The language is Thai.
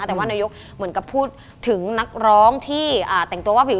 แต่ว่านายกเหมือนกับพูดถึงนักร้องที่แต่งตัวว่าวิว